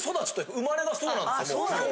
生まれがそうなんですよ